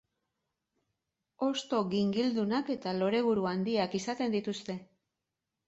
Hosto gingildunak eta lore-buru handiak izaten dituzte.